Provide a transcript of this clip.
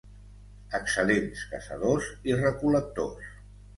Excel·lents caçadors i recol·lectors.